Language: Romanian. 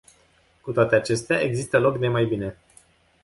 Cu toate acestea, există loc de mai bine.